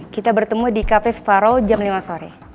kita bertemu di cafe sepharau jam lima sore